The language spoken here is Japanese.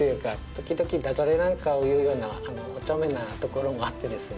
時々だじゃれなんかを言うようなお茶目なところもあってですね。